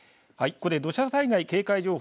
ここで土砂災害警戒情報。